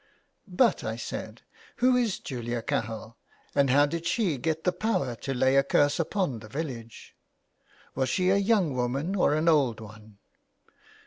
*' But/' I said, '' who is Julia Cahill, and how did she get the power to lay a curse upon the village ? Was she a young woman or an old one